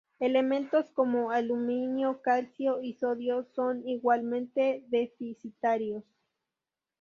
Elementos como aluminio, calcio y sodio son igualmente deficitarios.